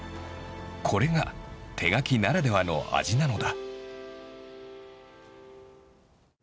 これが手描きならではの味なのだ。